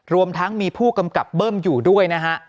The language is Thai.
รวมทั้งมีผู้กำกับเบิ้มอยู่ด้วยนะฮะ